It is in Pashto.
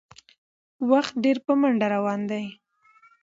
وخت ډېر په منډه روان دی